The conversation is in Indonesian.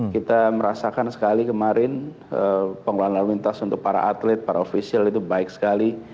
kita merasakan sekali kemarin pengelolaan lalu lintas untuk para atlet para ofisial itu baik sekali